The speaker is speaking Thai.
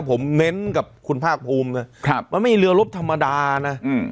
ผมเน้นกับคุณภาคภูมินะครับมันไม่มีเรือลบธรรมดานะอืม